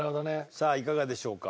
さあいかがでしょうか？